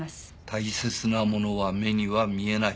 「大切なものは目には見えない」。